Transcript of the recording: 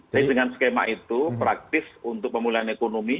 jadi dengan skema itu praktis untuk pemulihan ekonomi